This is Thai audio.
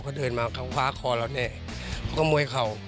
เขาเดินมากับฟ้าคอเราเนี่ยเขาก็มวยเขา